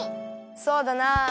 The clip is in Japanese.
そうだなあ。